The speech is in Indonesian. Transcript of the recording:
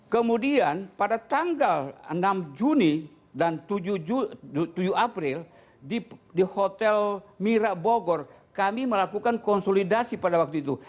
kemudian pada tanggal enam juni dan tujuh april di hotel mira bogor kami melakukan konsolidasi pada waktu itu